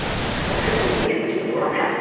মধুসূদন দেখে বেশ বুঝলে এও রণসাজ।